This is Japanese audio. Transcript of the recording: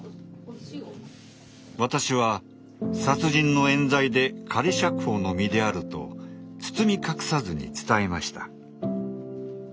私は殺人のえん罪で仮釈放の身であると包み隠さずに伝えました。